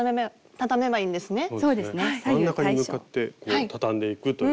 真ん中に向かってたたんでいくという。